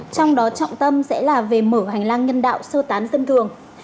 trong đó trọng tâm sẽ là về mở hành lang nhân đạo sơ tán dân thường